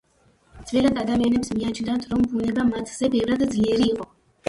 ძველად ადამიანებს მიაჩნდათ რომ ბუნება მათზე ბევრად ძლიერი იყო.